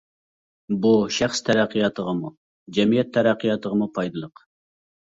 بۇ شەخس تەرەققىياتىغىمۇ، جەمئىيەت تەرەققىياتىغىمۇ پايدىلىق.